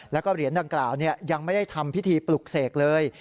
แล้วก็เหรียญดังกล่าวยังไม่ได้ทำพิธีปลุกเสกเลย